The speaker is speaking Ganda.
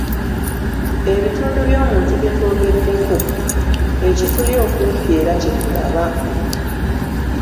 Ebitundu by'omuntu bye twogeddeko, ekituli okumpi era kye tulaba.